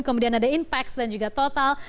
kemudian ada impacts dan juga total